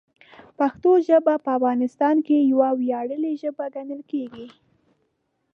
پښتو ژبه په افغانستان کې یوه ویاړلې ژبه ګڼل کېږي.